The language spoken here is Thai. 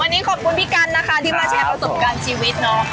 วันนี้ขอบคุณพี่กันนะคะที่มาแชร์ประสบการณ์ชีวิตเนาะ